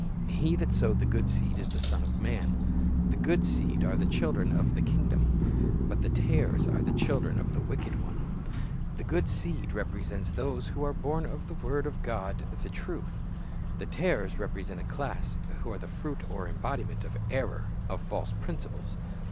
"He that sowed the good seed is the Son of man. The good seed are the children of the kingdom; but the tares are the children of the wicked one." The good seed represents those who are born of the word of ( 70 ) Based on Matt. 13 : 24 30, 37 43 Tar e s 71 God, tlie truth. The tares represent a class who are the fruit or embodiment of error, of false principles.